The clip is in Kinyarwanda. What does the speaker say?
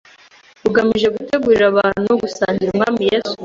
ugamije gutegurira abantu gusanganira Umwami Yesu.